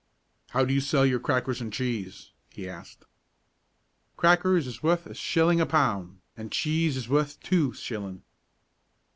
"How do you sell your crackers and cheese?" he asked. "Crackers is wuth a shillin' a pound, an' cheese is wuth two shillin'."